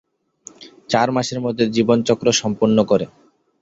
চার মাসের মধ্যে জীবনচক্র সম্পূর্ণ করে।